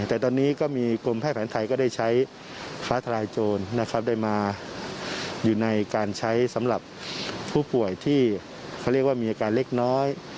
แต่ตอนนี้ก็มีกรมแพทย์แผนไทยก็ได้ใช้ฟ้าทลายโจรนะครับได้มาอยู่ในการใช้สำหรับผู้ป่วยที่เขาเรียกว่ามีอาการเล็กน้อย